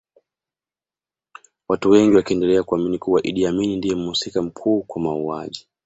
Watu wengi wakiendelea kuamini kuwa Idi Amin ndiye mhusika mkuu kwa mauaji